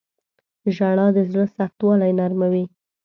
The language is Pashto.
• ژړا د زړه سختوالی نرموي.